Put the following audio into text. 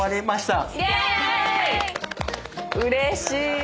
うれしい。